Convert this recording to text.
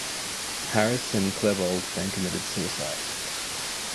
Harris and Klebold then committed suicide.